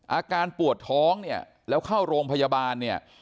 อาการปวดท้องแล้วเข้าโรงพยาบาล